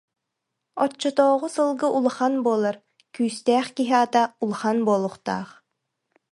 Оччотооҕу сылгы улахан буолар, күүстээх киһи ата улахан буолуохтаах